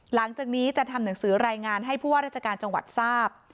หลังจากนี้จะทำหนังสือรายงานให้ผู้ว่าราชการจังหวัดทราบ